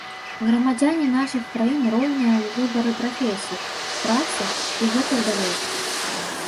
Грамадзяне нашых краін роўныя ў выбары прафесій, працы і гэтак далей.